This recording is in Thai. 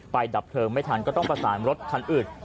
ดับเพลิงไม่ทันก็ต้องประสานรถคันอื่น